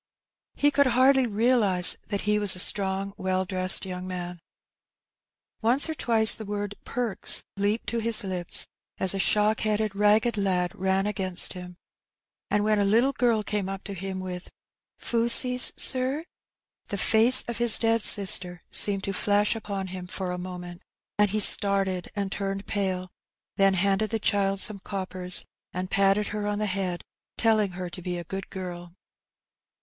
He could hardly realize that he was a strong, well dressed young man. Once or twice the word ^^ Perks " leaped to his lips as a shock headed ragged lad ran against him ; and when a little girl came up to him with " Fusees, sir ?'^ the face of his dead sister seemed to flash upon him for a moment, and he started and turned pale, then handed the child some coppers, and patted her on the head, telling her to be a good girl.